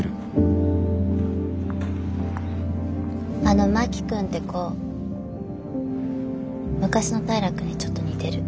あの真木君って子昔の平君にちょっと似てる。